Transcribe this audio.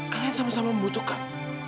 kalian sama sama membutuhkan